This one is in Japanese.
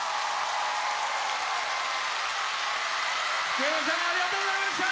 福山さんありがとうございました。